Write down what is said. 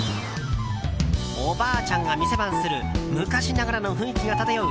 おばあちゃんが店番する昔ながらの雰囲気が漂う